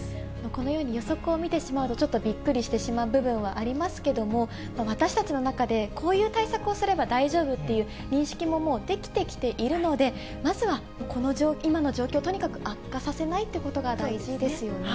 このように予測を見てしまうと、ちょっとびっくりしてしまう部分はありますけども、私たちの中でこういう対策をすれば大丈夫っていう認識ももう、できてきているので、まずは、今の状況、とにかく悪化させないということが大治ですよね。